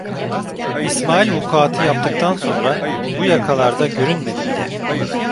İsmail vukuatı yaptıktan sonra bu yakalarda görünmedi bile.